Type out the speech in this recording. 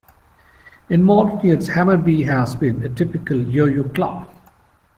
In modern years, Hammarby has been a typical yo-yo club.